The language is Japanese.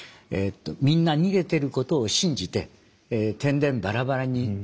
みんな逃げてることを信じててんでんばらばらに逃げる。